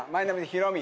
ヒロミ。